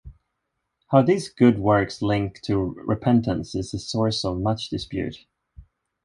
How these good works link to repentance is a source of much dispute.